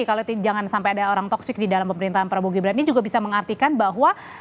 kalau jangan sampai ada orang toksik di dalam pemerintahan prabowo gibran ini juga bisa mengartikan bahwa